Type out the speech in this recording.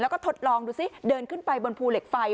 แล้วก็ทดลองดูซิเดินขึ้นไปบนภูเหล็กไฟ